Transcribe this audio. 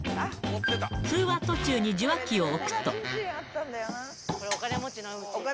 通話途中に受話器を置くと。